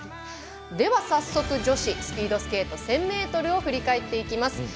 では早速女子スピードスケート１０００ｍを振り返っていきます。